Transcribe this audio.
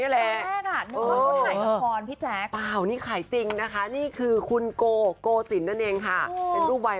หรือคือคุณโกโกสินนั่นเนี่ยจะเสีย